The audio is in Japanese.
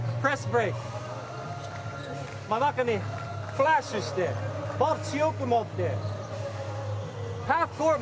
真ん中にフラッシュしてボールを強く持って。